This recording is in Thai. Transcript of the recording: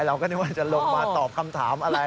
เราก็นึกว่าจะลงมาตอบคำถามอะไร